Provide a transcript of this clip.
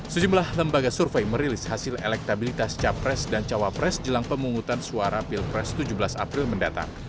sejumlah lembaga survei merilis hasil elektabilitas capres dan cawapres jelang pemungutan suara pilpres tujuh belas april mendatang